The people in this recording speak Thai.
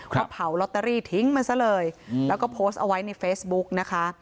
เขาเผาลอตเตอรี่ทิ้งมันซะเลยแล้วก็โพสต์เอาไว้ในเฟซบุ๊กนะคะ